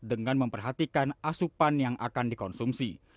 dengan memperhatikan asupan yang akan dikonsumsi